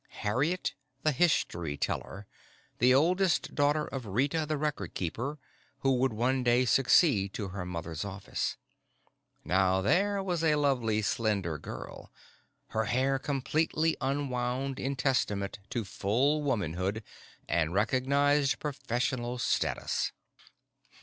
Harriet the History Teller, the oldest daughter of Rita the Record Keeper, who would one day succeed to her mother's office. Now there was a lovely, slender girl, her hair completely unwound in testament to full womanhood and recognized professional status.